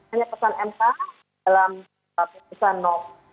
hanya putusan mk dalam putusan nop